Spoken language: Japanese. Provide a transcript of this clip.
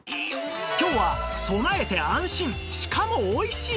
今日は備えて安心しかもおいしい！